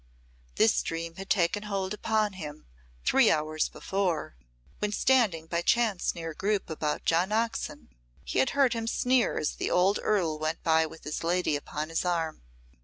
This dream had taken hold upon him three hours before, when, standing by chance near a group about John Oxon, he had heard him sneer as the old Earl went by with his lady upon his arm.